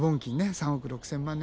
３億６，０００万年！